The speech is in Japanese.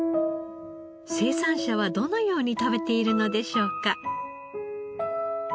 生産者はどのように食べているのでしょうか？